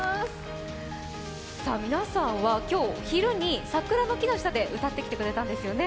皆さんは今日昼に桜の木の下で歌ってきてくれたんですよね？